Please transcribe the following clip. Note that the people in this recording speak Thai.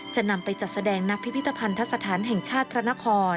จะนำไปจัดแสดงนักพิพิตภัณฑ์ทัศน